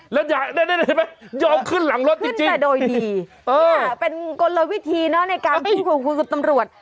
แล้วเดี๋ยวยอมขึ้นหลังรถจริงขึ้นแต่โดยดีเป็นกลวิธีในการคุยกับตำรวจ